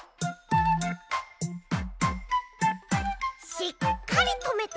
しっかりとめて！